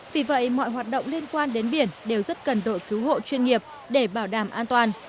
vì vậy mọi hoạt động liên quan đến biển đều rất cần đội cứu hộ chuyên nghiệp để bảo đảm an toàn